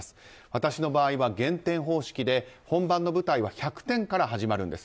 私の場合は減点方式で本番の舞台は１００点から始まるんです。